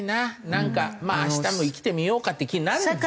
なんかまあ明日も生きてみようかって気になるんですよ。